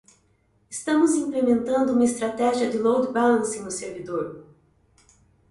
Estamos implementando uma estratégia de load balancing no servidor.